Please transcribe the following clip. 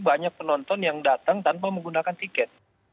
banyak penonton yang datang tanpa menggunakan tiket